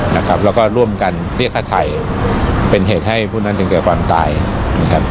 นะครับแล้วก็ร่วมกันเรียกฆ่าไทยเป็นเหตุให้ผู้นั้นถึงเกิดความตายนะครับ